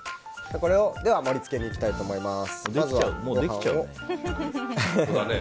盛り付けにいきたいと思います。